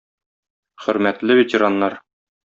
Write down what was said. Хөрмәтле ветераннар!